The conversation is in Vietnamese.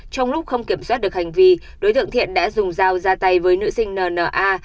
trong lúc không kiểm soát được hành vi đối tượng thiện đã dùng dao ra tay với nữ sinh n n a